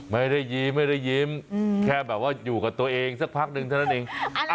ไม่ได้ยิ้มแค่แบบว่าอยู่กับตัวเองสักพักนึงเท่านั้นเอง